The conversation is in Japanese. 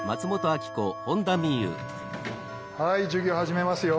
はい授業始めますよ。